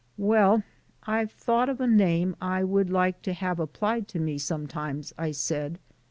"Well, I've thought of a name I would like to have applied to me sometimes," I said.